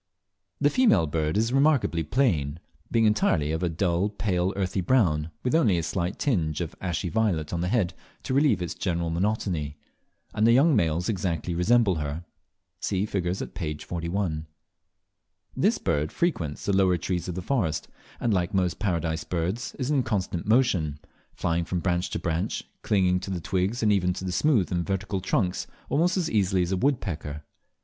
The female bird is remarkably plain, being entirely of a dull pale earthy brown, with only a slight tinge of ashy violet on the head to relieve its general monotony; and the young males exactly resemble her. (See figures at p. 41.) This bird, frequents the lower trees of the forests, and, like most Paradise Birds, is in constant motion flying from branch to branch, clinging to the twigs and even to the smooth and vertical trunks almost as easily as a woodpecker.